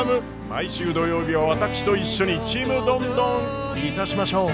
毎週土曜日は私と一緒に「ちむどんどん」いたしましょう！